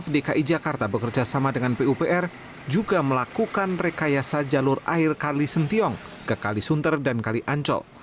dki jakarta bekerja sama dengan pupr juga melakukan rekayasa jalur air kalisentiong ke kalisunter dan kaliancol